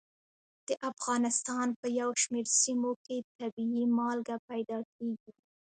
د افغانستان په یو شمېر سیمو کې طبیعي مالګه پیدا کېږي.